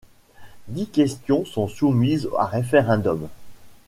Dix questions sont soumises à référendum.